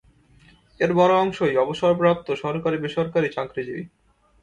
এর বড় অংশই অবসরপ্রাপ্ত সরকারি বেসরকারি চাকরিজীবী।